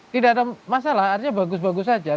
tidak ada masalah artinya bagus bagus saja